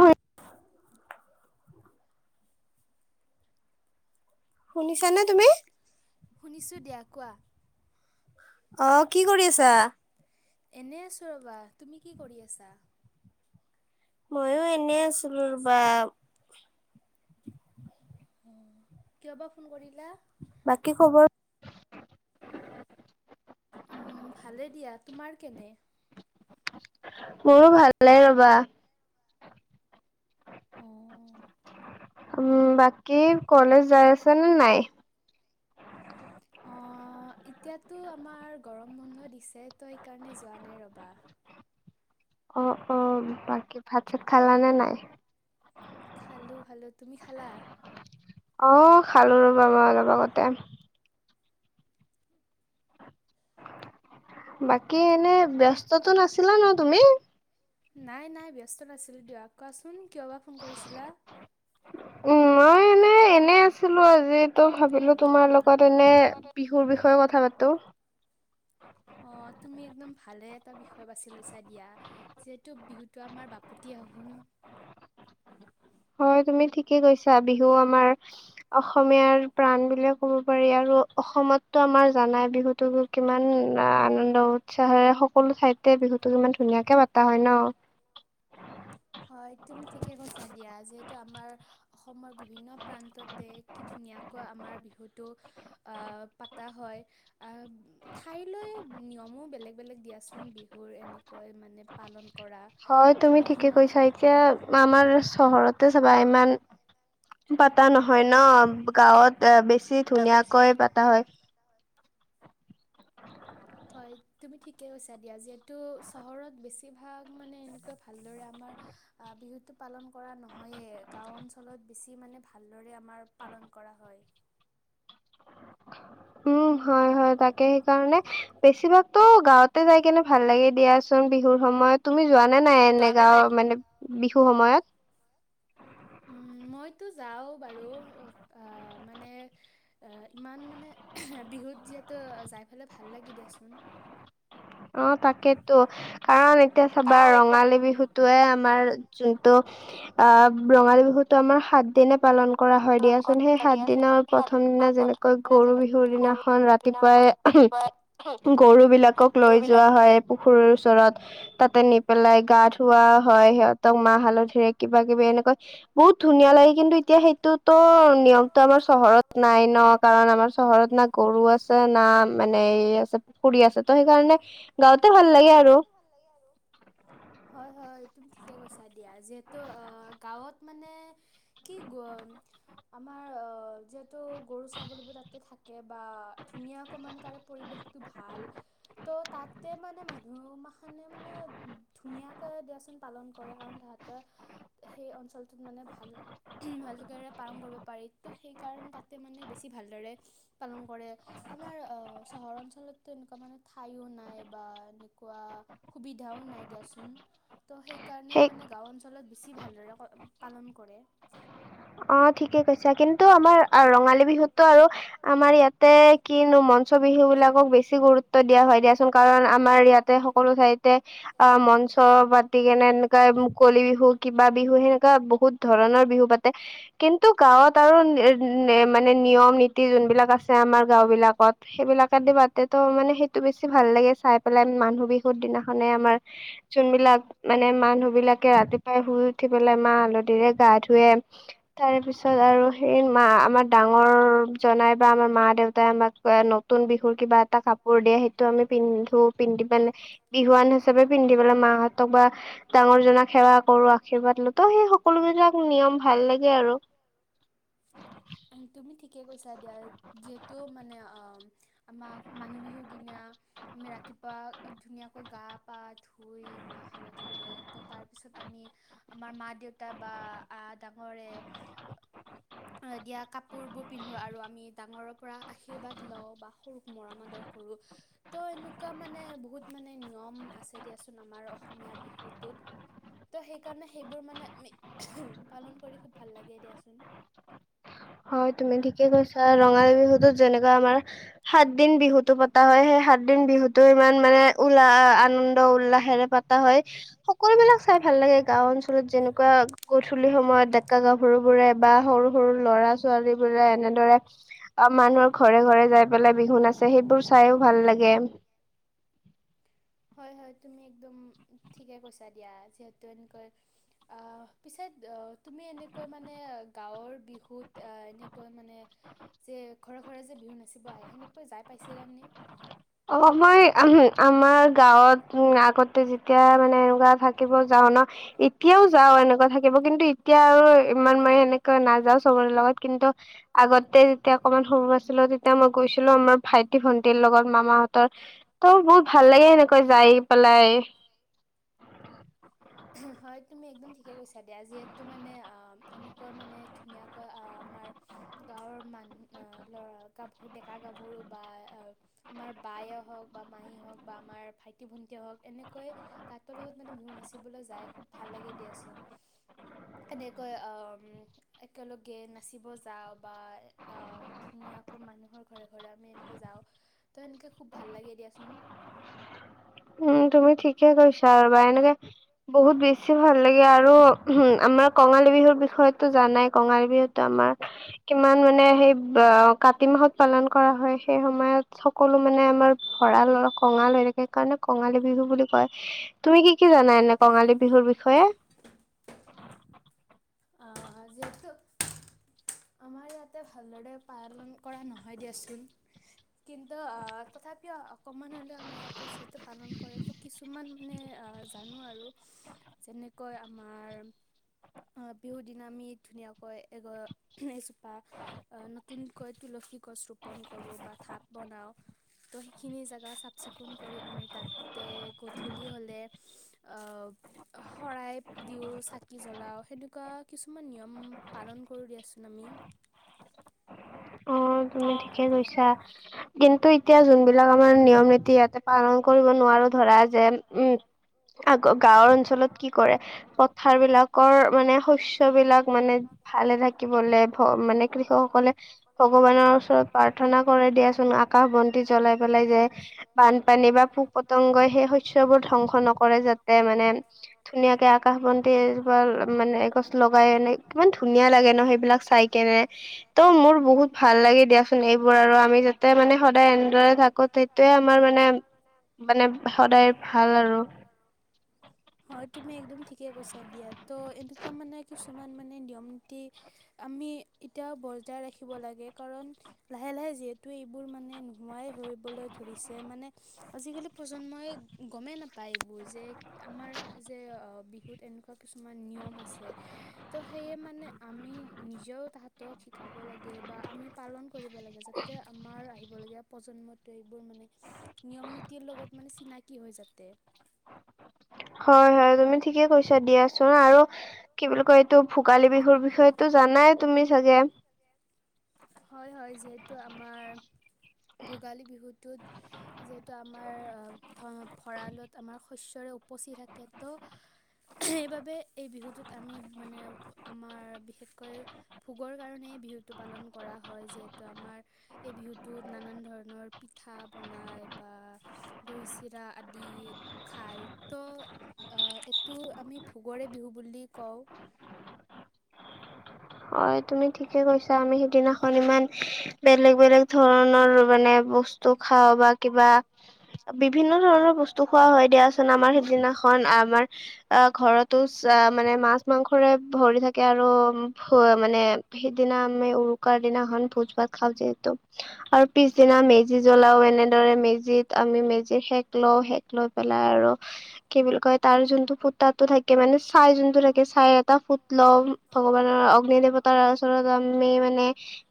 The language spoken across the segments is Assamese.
অই, শুনিছানে তুমি? শুনিছোঁ দিয়া কোৱা। অ কি কৰি আছা? এনে আছোঁ ৰবা তুমি কি কৰি আছা? ময়ো এনে আছিলো ৰবা। অ' কিয় বা ফোন কৰিলা? বাকী খবৰ? ভালেই দিয়া তোমাৰ কেনে? মোৰো ভালে ৰবা। [inaudible] উম' বাকী কলেজ যাই আছে নে নাই? অঁ এতিয়াতো আমাৰ গৰম বন্ধ দিছে, তো সেইকাৰণে যোৱা নাই ৰ'বা। অ অ' বাকী ভাত-চাত খালানে নাই? খালোঁ খালোঁ তুমি খালা? অ খালো ৰ'বা মই অলপ আগতে। বাকী এনে ব্যস্ততো নাছিলা ন তুমি? নাই নাই ব্যস্ত নাছিলো দিয়া, কোৱাচোন কিয় বা ফোন কৰিছিলা? উম' মই এনে এনে আছিলো আজি। ত ভাবিলো তোমাৰ লগত এনে বিহুৰ বিষয়ে কথা পাতো। অ' তুমি একদম ভালে এটা বিষয় বাছি লৈছা দিয়া। যিহেতু বিহুটো আমাৰ বাপতি শাহোন। হয় তুমি ঠিকে কৈছা বিহু আমাৰ। অসমীয়াৰ প্ৰাণ বুলিয়ে ক'ব পাৰি, আৰু অসমতো আমাৰ জানাই বিহুতো। কিমান আনন্দ উৎসাহেৰে, সকলো ঠাইতে বিহুতো কিমান ধুনীয়াকে পাতা হয় ন। হয় তুমি ঠিকে কৈছা দিয়া, যিহেতু আমাৰ! অসমৰ বিভিন্ন প্ৰান্ততে কি ধুনীয়াকৈ আমাৰ বিহুটো! পাতা হয়, ঠাইলৈ নিয়মো বেলেগ। বেলেগ দিয়াচোন বিহুৰ এনেকৈ মানে পালন কৰা, ত' বিভিন্ন। এতিয়া আমাৰ চহৰতে চাবা ইমান। পাতা নহয় ন, গাঁৱত বেছি ধুনীয়াকৈ পাতা হয়। হয় তুমি ঠিকেই কৈছা দিয়া, যিহেতু চহৰত বেছিভাগ মানে এনেকুৱা ভালদৰে আমাৰ! বিহুতটো পালন কৰা নহয়ে, গাঁও অঞ্চলত বেছি মানে ভালদৰে আমাৰ পালন কৰা হয়। উম' হয় হয় তাকে সেইকাৰণে বেছিভাগতো গাঁৱতে যায়। কেনে ভাল লাগে দিয়াচোন বিহুৰ সময়ত, তুমি যোৱা নে নাই এনে মানে গাওঁ মানে বিহুৰ সময়ত। মইতো যাওঁ বাৰু মানে, ইমান মানে বিহুত যিহেতু যাই পেলাই ভাল লাগে দিয়াচোন। অ তাকেইেতো কাৰণ এতিয়া চাবা ৰঙালী বিহুত, তোয়ে আমাৰ যোনটো আহ ৰঙালী বিহুতটো আমাৰ সাত দিনে পালন কৰা হয় দিয়াচোন, সেই সাত দিনৰ প্ৰথম দিনা যেনেকৈ গৰু বিহুৰ দিনাখন ৰাতিপুৱাই- গৰুবিলাকক লৈ যোৱা হয় পুখুৰীৰ ওচৰত। তাতে নি পেলাই গা ধুৱা হয় সিহঁতক মাহ, হালধিৰে কিবা-কিবি এনেকৈ বহুত ধুনীয়া লাগে কিন্তু এতিয়া সেইটোতো নিয়মটো আমাৰ চহৰত নাই ন। কাৰণ আমাৰ চহৰত না গৰু আছে না মানে এই আছে পুখুৰী আছে ত সেই [unintelligible] গাওঁতে ভাল লাগে আৰু। হয়-হয় তুমি ঠিকে কৈছা দিয়া যিহেতু গাঁৱত মানে কি গ [unintelligible] আমাৰ আহ যিহেতু গৰু, ছাগলীবোৰ তাতে থাকে বা ধুনীয়াকৈ মানে তাৰ পৰিৱেশ টো ভাল ত' তাতে মানে মানুহ মানে-মানে ধুনীয়াকৈ দিয়া চোন পালন কৰে কাৰণ তাহঁতে সেই অঞ্চলটো [inaudible] ত মানে ভাল ভালদৰে পালন কৰিব পাৰি ত সেইকাৰণে তাতে মানে বেছি ভালদৰে পালন কৰে। আমাৰ অ চহৰ অঞ্চলতো এনেকুৱা মানে ঠাইও নাই বা এনেকুৱা সুবিধাও নাই দিয়াচোন ত' সেইকাৰণে মানে গাওঁ অঞ্চলত বেছি ভালদৰে পালন কৰে। অঁ ঠিকে কৈছা কিন্তু আমাৰ ৰঙালী বিহুতো আৰু আমাৰ ইয়াত ইয়াতে কিনো মঞ্চ বিহু বিলাকক বেছি গুৰুত্ব দিয়া হয় দিয়াচোন কাৰণ আমাৰ ইয়াতে সকলো ঠাইতে অ মঞ্চ মঞ্চ পাতি কেনে এনেকা মুকলি বিহু, কিবা বিহু সেনেকা বহুত ধৰণৰ বিহু পাতে। কিন্তু গাঁৱত আৰু মানে নিয়ম-নীতি যোনবিলাক আছে আমাৰ গাঁও বিলাকত। সেইবিলাকে দি পাতেটো মানে সেইটো বেছি ভাল লাগে চাই পেলাই মানুহ বিহুৰ দিনাখনে আমাৰ। [unintelligible] যোনবিলাক মানে মানুহবিলাকে ৰাতিপুৱাই শুই উঠি পেলাই মাহ, হালধিৰে গা ধুৱে। তাৰপিছত আৰু সেই মা আমাৰ ডাঙৰ জনাই বা আমাৰ মা-দেউতাই আমাক ন নতুন বিহুৰ কিবা এটা কাপোৰ দিয়ে, সেইটো আমি পিন্ধো, পিন্ধি পেলাই বিহুৱান হিচাপে পিন্ধিবলৈ মাহঁতক বা ডাঙৰ জনাক সেৱা কৰো, আশীৰ্বাদ ল‌ওঁ, তো সেই সকলোবিলাক নিয়ম ভাল লাগে আৰু তুমি ঠিকে কৈছা দিয়া, যিহেতু মানে অঁ আমাক মানুহ বিহুৰ দিনা আমি ৰাতিপুৱা ধুনীয়াকৈ গা পা ধুই মাহ, হালধিৰে ত তাৰপিছত আমি আমাৰ মা-দেউতা বা আহ ডাঙৰে দিয়া কাপোৰবোৰ পিন্ধো আৰু আমি ডাঙৰৰ পৰা আশীৰ্বাদ লওঁ বা সৰুক মৰম আদৰ কৰোঁ। তো এনেকুৱা মানে বহুত মানে নিয়ম আছে দিয়াচোন আমাৰ অসমীয়া বিহুটোত। ত' সেইকাৰণে সেইবোৰ মানে আমি পালন কৰি খুব ভাল লাগে দিয়াচোন। হয় তুমি ঠিকে কৈছা ৰঙালী বিহুত যেনেকুৱা আমাৰ সাত দিন বিহুটো পতা হয় সেই সাত এদিন বিহুতো ইমান মানে উলা আনন্দ-উল্লাসেৰে পতা হয়। সকলোবিলাক চাই ভাল লাগে গাওঁ অঞ্চলত যেনেকুৱা গধূলি সময়ত ডেকা-গাভৰু। সৰুবোৰে বা সৰু-সৰু ল'ৰা-ছোৱালীবোৰে এনেদৰে। অঁ মানুহৰ ঘৰে-ঘৰে যাই পেলাই বিহু নাচে সেইবোৰ চাইও ভাল লাগে। হয়-হয় তুমি একদম ঠিকে কৈছা দিয়া, যিহেতু এনেকৈ! আহ পিছে তুমি এনেকৈ মানে গাঁৱৰ বিহুত এনেকৈ মানে! যে ঘৰে-ঘৰে যে বিহু নাচিব আহে সেনেকৈ যাই পাইছিলানে? অঁ মই আমাৰ গাঁৱত আগতে যেতিয়া মানে এনেকুৱা যেতিয়া থাকিব যাওঁ ন। এতিয়াও যাওঁ এনেকুৱা থাকিব কিন্তু এতিয়া আৰু ইমান মানে এনেকৈ নাযাওঁ চবৰে লগত কিন্তু! আগতে যেতিয়া অকনমান সৰু আছিলো তেতিয়া মই গৈছিলো আমাৰ ভাইটি-ভণ্টিৰ লগত। মামাহঁতৰ লগত ত বহুত ভাল লাগে সেনেকৈ যাই পেলাই। হয় তুমি একদম ঠিকে কৈছা দিয়া, যিহেতু মানে আহ এনেকুৱা মানে ধুনীয়াকৈ আহ আমাৰ। গাঁৱৰ মানুহ আহ ল'ৰা গাভৰু ডেকা-গাভৰু বা এ! আমাৰ বায়ে হওঁক বা মাহী হওঁক বা আমাৰ ভাইটি ভণ্টীয়ে হওঁক এনেকৈ! তাঁহতৰ লগত মানে বিহু নাচিবলৈ যায় খুব ভাল লাগে দিয়াচোন। এনেকৈ আহ', একেলগে নাচিব যাওঁ বা আহ উম্। ধুনীয়াকৈ মানুহৰ ঘৰে ঘৰে আমি এনেকৈ যাওঁ তো এনেকৈ খুব ভাল লাগে দিয়াচোন। উম', তুমি ঠিকে কৈছা আৰু বা এনেকে বহুত বেছি ভাল লাগে আৰু হুম', আমাৰ! কঙালী বিহুৰ বিষয়তো জানাই কঙালী বিহুতো আমাৰ কিমান মানে সেই বা! কাতি মাহত পালন কৰা হয় সেই সময়ত। সকলো মানে আমাৰ ভৰাল হৈ কঙাল হৈ থাকে সেইকাৰণে। কঙালী বিহু বুলি কয়, তুমি কি কি জানা এনে কঙালী বিহুৰ বিষয়ে? অ', যিহেতু! আমাৰ ইয়াতে ভালদৰে পালন কৰা নহয় দিয়াচোন। কিন্তু, আহ', তথাপিও অকমান হ'লেও আমাৰ ইয়াতে যিহেতু পালন কৰেটো। কিছুমান মানে জানোঁ আৰু যেনেকৈ আমাৰ! বিহুৰ দিনা আমি ধুনীয়াকৈ এগ এজোপা! আহ', নতুনকৈ তুলসী গছ ৰোপন কৰো বা থাপ বনাওঁ। ত, ' সেইখিনি জেগা চাফ চিকুণ কৰি আমি তাত! তাতে গোধূলি হ'লে আহ! শৰাই দিওঁ চাকি জ্বলাওঁ। সেনেকুৱা কিছুমান নিয়ম পালন কৰোঁ দিয়াচোন আমি। অ', তুমি ঠিকে কৈছা! কিন্তু এতিয়া যোনবিলাক আমাৰ নিয়ম নীতি ইয়াতে পালন কৰিব নোৱাৰোঁ ধৰা যেন উম! আগ, গাঁওৰ অঞ্চলত কি কৰে পথাৰ বিলাকৰ মানে শস্যবিলাক মানে! ভালে থাকিবলে ভ, মানে কৃষকসকলে! ভগৱানৰ ওচৰত প্ৰাৰ্থনা কৰে দিয়াচোন আকাশ বন্তি জ! জ্বলাই পেলাই যে বানপানী বা পোক পতংগই সেই শস্যবোৰ ধ্বংস নকৰে যাতে। তাতে মানে ধুনীয়াকে আকাশ বন্তি এজোপা এগছি লগ, মানে এগছ লগাই এনে। কিমান ধুনীয়া লাগে ন সেইবিলাক চাই কেনে ত' মোৰ বহুত! ভাল লাগি দিয়াচোন এইবোৰ আৰু আমি যাতে মানে সদায় এনে! এনেদৰে থাকো, সেইটোয়ে আমাৰ মানে মানে সদায় ভাল আৰু! হয় তুমি একদম ঠিকে কৈছা দিয়া ত এনেকুৱা মানে কিছুমান মানে নিয়ম নীতি! আমি এতিয়াও বজাই ৰাখিব লাগে কাৰণ লাহে লাহে যিহেতু এইবোৰ মানে ন! নাই হ'বলৈ ধৰিছে মানে আজিকালি প্ৰজন্মই গমেই নাপায়। প্ৰায়বোৰ যে আমাৰ যে অ', বিহুত এনেকুৱা কিছুমান নিয়ম আছে। ত' সেয়ে মানে আমি নিজেও তাহাঁতক শিকাব লাগে বা আমি পালন কৰিব লাগে যাতে আমাৰ আহিবলগীয়া প্ৰজন্মটোৱে এইবোৰ মানে নিয়ম নীতিৰ লগত মানে চিনাকী হয় যাতে। হয়, হয়, তুমি ঠিকে কৈছা দিয়াচোন আৰু কি বুলি কয় এইটো ভোগালী বিহুৰ বিষয় তো জানাই তুমি চাগে? হয়, হয়, যিহেতু আমাৰ ভোগালী বিহুটোত যিহেতু আমাৰ ধৰা ভঁৰালত আমাৰ শস্যৰে উপচি থাকে ত' সেইবাবে এই বিহুটোত আমি মানে আমাৰ বিশেষকৈ ভোগৰ কাৰণে এই বিহুটো পালন কৰা হয় যিহেতু আমাৰ এই বিহুটোত নানান ধৰণৰ পিঠা বনাই বা দৈ চিৰা আদি খায় ত' অ', এইটো আমি ভোগৰে বিহু বুলি কওঁ। হয়, তুমি ঠিকে কৈছা আমি সিদিনাখন ইমান বেলেগ বেলেগ ধৰণৰ মানে বস্তু খাওঁ বা কিবা বিভিন্ন ধৰণৰ বস্তু খোৱা হয় দিয়াচোন আমাৰ সিদিনাখন আমাৰ আহ ঘৰত। ত', চোৱা মানে মাছ মাংসৰে ভৰি থাকে আৰু খোৱা মানে সেইদিনা আমি উৰুকাৰ দিনাখন ভোজ ভাত খাওঁ যিহেতু। আৰু পিছদিনা মেজি জ্বলাও এনেদৰে মেজিত আমি মেজিৰ সেক লও সেক লৈ পেলাই আৰু কি বুলি কয় তাৰ যোনটো কুতাটো থাকে মানে ছাই যোনটো থাকে ছাইৰ এটা ফুত লম ভগৱানৰ অগ্নি দেৱতাৰ ওচৰত আমি মানে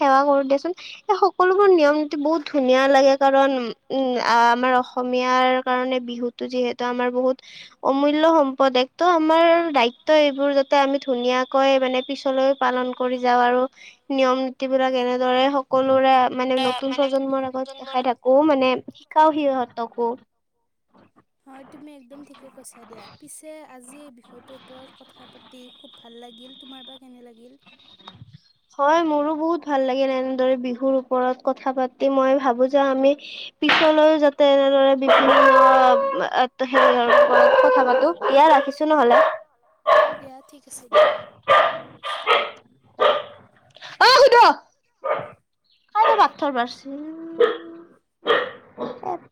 সেৱা কৰো দিয়াচোন। এই সকলোবোৰ নিয়ম নীতি বহুত ধুনীয়া লাগে কাৰণ উম আমাৰ অসমীয়াৰ কাৰণে বিহুত টো যিহেতু আমাৰ বহুত অমূল্য সম্পদ একদম আমাৰ দায়িত্ব এইবোৰ যাতে আমি ধুনীয়াকৈ মানে পিছলৈ পালন কৰি যাওঁ আৰু নিয়ম নীতিবিলাক এনেদৰে সকলোৰে মানে নতুন প্ৰজন্মৰ আগত দেখাই থাকো মানে শিকাও সিহঁতকো। হয় তুমি এক একদম ঠিকে কৈছা দিয়া পিছে আজি এই বিষয়টোৰ ওপৰত কথা পাতি খুব ভাল লাগিল। তোমাৰ বা কেনে লাগিল? হয় মোৰো বহুত ভাল লাগিল এনেদৰে বিহুৰ ওপৰত কথা পাতি মই ভাবো যে আমি পিছলৈও যাতে এনেদৰে বিভিন্ন ওপৰত হেৰি কৰো কথা পাতো। দিয়া ৰাখিছো নহ'লে। দিয়া ঠিক আছে দিয়া। অ খুৰিদৌ পাথৰ মাৰছে ও এ